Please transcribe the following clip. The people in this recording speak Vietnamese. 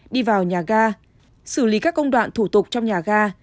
đi vào nhà ga xử lý các công đoạn thủ tục trong nhà ga